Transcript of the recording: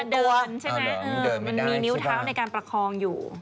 ไม่เคยประมาณเดินใช่ไหมมันมีนิ้วเท้าในการประคองอยู่